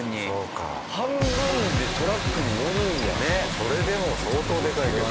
それでも相当でかいけど。